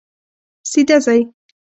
سیده ځئ